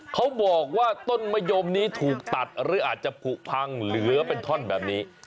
เขาบอกว่าต้นมะยมนี้ถูกตัดหรืออาจจะผูกพังเหลือเป็นท่อนแบบนี้